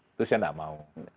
itu saya tidak mau